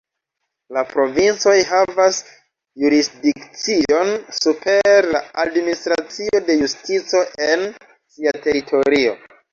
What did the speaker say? La provincoj havas jurisdikcion super la Administracio de Justico en sia teritorio.